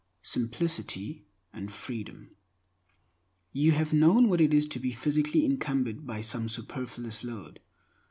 Simplicity and Freedom YOU HAVE KNOWN what it is to be physically encumbered by some superfluous load.